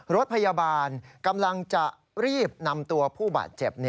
รถพยาบาลกำลังจะรีบนำตัวผู้บาดเจ็บ